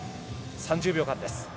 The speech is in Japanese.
３０秒間です。